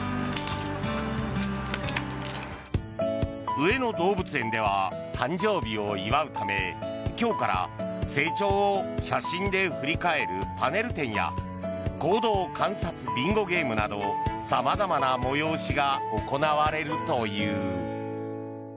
上野動物園では誕生日を祝うため今日から成長を写真で振り返るパネル展や行動観察ビンゴゲームなど様々な催しが行われるという。